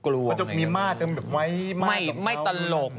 มันมีมาตรเหมือนแบบไว้มาตรของเขา